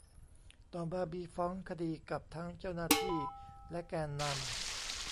ต่อมามีฟ้องคดีกับทั้งเจ้าหน้าที่และแกนนำ